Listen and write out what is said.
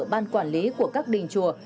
ban quản lý của các đình chùa